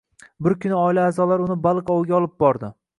Bir kuni oila a’zolari uni baliq oviga olib bordi